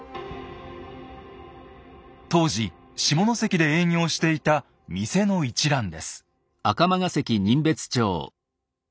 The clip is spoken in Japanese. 当時下関で営業していた店の一覧です。